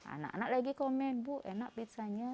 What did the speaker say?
anak anak lagi komen bu enak pizzanya